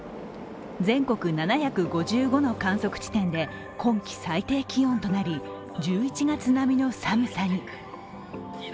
全国７５５の観測地点で今季最低気温となり、１１月並みの寒さに。